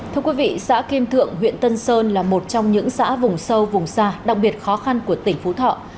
thưa quý vị xã kim thượng huyện tân sơn là một trong những xã vùng sâu vùng xa đặc biệt khó khăn của tỉnh phú thọ